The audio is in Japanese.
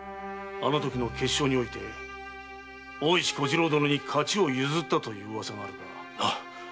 あのときの決勝において大石小次郎殿に勝ちを譲ったという噂があるが。